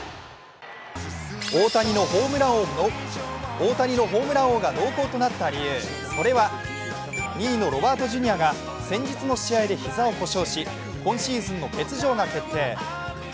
大谷のホームラン王が濃厚となった理由、それは２位のロバート・ジュニアが先日の試合で膝を故障し今シーズンの欠場が決定。